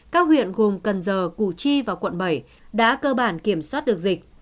các huyện gồm cần giờ củ chi và quận bảy đã cơ bản kiểm soát được dịch